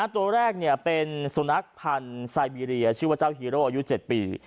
ตัวแรกเป็นสุนัขพันธ์ไซบีเรียชื่อว่าเจ้าฮีโร่อายุ๗ปี